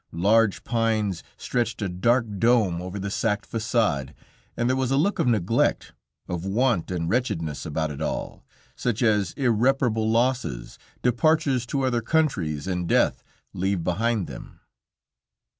Large pines stretched a dark dome over the sacked facade, and there was a look of neglect, of want and wretchedness about it all, such as irreparable losses, departures to other countries, and death leave behind them.